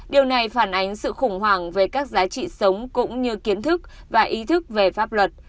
điều này phản ánh sự khủng hoảng về các giá trị sống cũng như kiến thức và ý thức về pháp luật